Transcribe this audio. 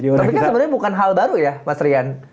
tapi kan sebenarnya bukan hal baru ya mas rian